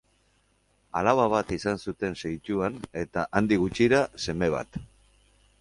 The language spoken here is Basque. Alaba bat izan zuten segituan, eta handik gutxira seme bat.